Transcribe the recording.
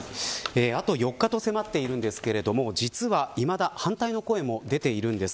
あと４日と迫っているんですが実はいまだ反対の声も出ているんです。